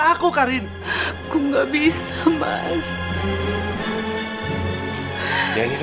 aku sudah selesai